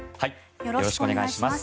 よろしくお願いします。